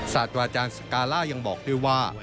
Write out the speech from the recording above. ศาสตราจารย์สกาล่ายังบอกด้วยว่า